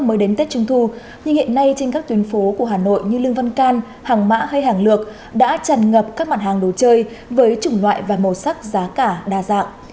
mới đến tết trung thu nhưng hiện nay trên các tuyến phố của hà nội như lương văn can hàng mã hay hàng lược đã tràn ngập các mặt hàng đồ chơi với chủng loại và màu sắc giá cả đa dạng